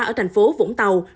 ở thành phố vũng tàu